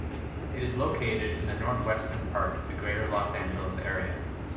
It is located in the northwestern part of the Greater Los Angeles Area.